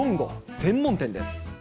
専門店です。